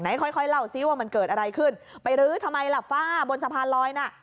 ค่อยค่อยเล่าซิว่ามันเกิดอะไรขึ้นไปรื้อทำไมล่ะฝ้าบนสะพานลอยน่ะ